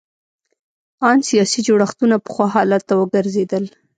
ان سیاسي جوړښتونه پخوا حالت ته وګرځېدل.